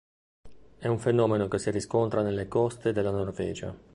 È un fenomeno che si riscontra nelle coste della Norvegia.